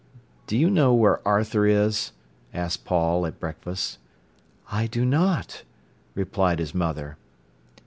"Do you know where Arthur is?" asked Paul at breakfast. "I do not," replied his mother.